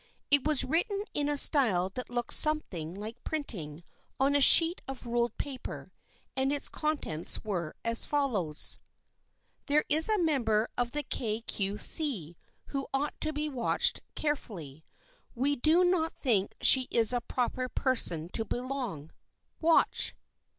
It was written in a style that looked something like printing, on a sheet of ruled paper, and its contents were as follows :" There is a member of the Kay Cue See who ought to be watched carefully. We do not think she is a proper person to belong. Watch